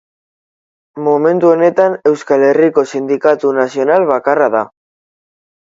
Momentu honetan Euskal Herriko sindikatu nazional bakarra da.